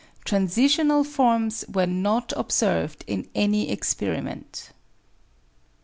Transitional forms were not observed in any experiment.